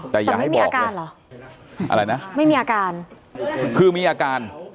อ๋อแต่ไม่มีอาการเหรออะไรนะไม่มีอาการคือมีอาการ